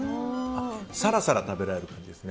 さらさら食べられる感じです。